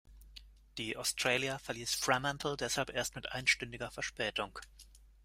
Die "Australia" verließ Fremantle deshalb erst mit einstündiger Verspätung.